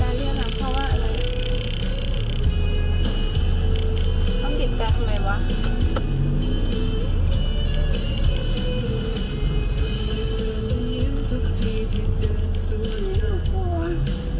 อีก่อน